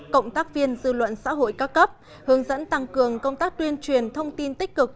cộng tác viên dư luận xã hội cao cấp hướng dẫn tăng cường công tác tuyên truyền thông tin tích cực